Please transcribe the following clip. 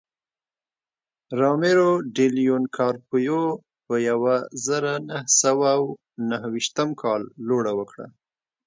رامیرو ډي لیون کارپیو په یوه زرو نهه سوه نهه ویشتم کال لوړه وکړه.